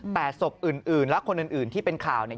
แต่ศพอื่นและคนอื่นที่เป็นข่าวเนี่ย